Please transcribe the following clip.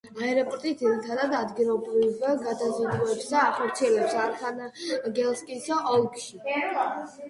აეროპორტი ძირითადად ადგილობრივ გადაზიდვებს ახორციელებს არხანგელსკის ოლქში.